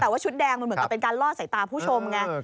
มันเหมือนกับเป็นการลอดใส่ตาผู้ชมไง